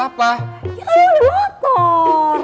ya kamu udah motor